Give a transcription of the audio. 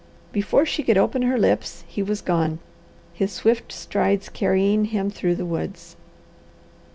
Before she could open her lips, he was gone, his swift strides carrying him through the woods.